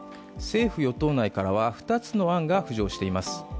政府・与党内からは２つの案が浮上しています。